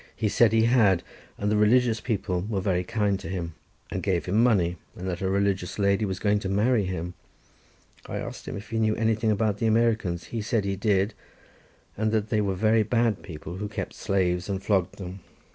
He said he had, and that the religious people were very kind to him, and gave him money, and that a religious lady was going to marry him. I asked him if he knew anything about the Americans? He said he did, and that they were very bad people, who kept slaves and flogged them.